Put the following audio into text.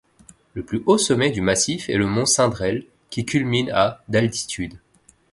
Le plus haut sommet du massif est le mont Cindrel qui culmine à d'altitude.